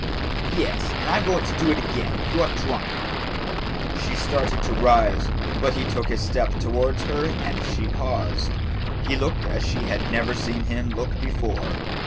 "Yes, and I 'm going to do it again. You 're drunk." She started to rise, but he took a step towards her and she paused. He looked as she had never seen him look before.